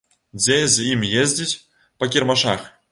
Дзе з ім ездзіць па кірмашах.